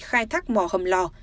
khai thác mỏ hầm lò